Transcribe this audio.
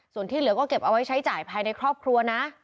ส่วนที่เหลือก็เก็บเอาไว้ใช้จ่ายภายในครอบครัวนะ